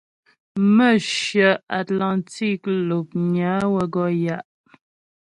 Mə̌hyə Atlantik l̀opnyə á wə́ gɔ ya'.